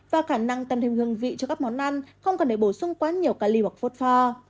và khả năng tăng thêm hương vị cho các món ăn không cần để bổ sung quá nhiều cali hoặc phốt pho